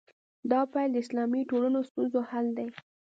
دا پیل د اسلامي ټولنو ستونزو حل دی.